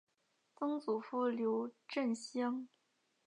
曾祖父刘震乡。